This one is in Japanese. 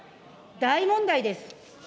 大問題です。